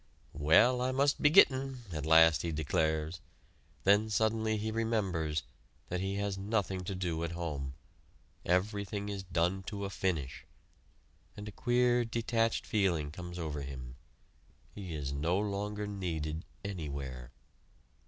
"Well, I must be gittin'!" at last he declares; then suddenly he remembers that he has nothing to do at home everything is done to a finish and a queer, detached feeling comes over him. He is no longer needed anywhere.